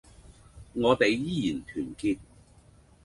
我哋依然團結